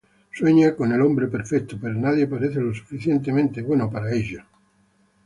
Sueña con el hombre perfecto, pero nadie parece lo suficientemente bueno para ella.